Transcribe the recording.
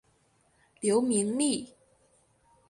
刘明利。